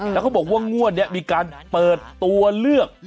แล้วเขาบอกว่างวดนี้มีการเปิดตัวเลือก